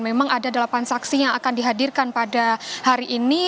memang ada delapan saksi yang akan dihadirkan pada hari ini